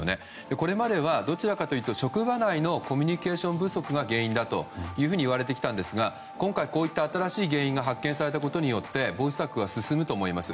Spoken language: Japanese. これまではどちらかというと職場内のコミュニケーション不足が原因人だといわれてきたんですが今回こういった新しい原因が発見されたことによって防止策は進むと思います。